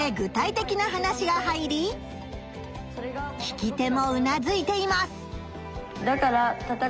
てきな話が入り聞き手もうなずいています。